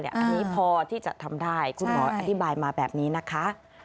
อันนี้พอที่จะทำได้คุณหมออธิบายมาแบบนี้นะคะ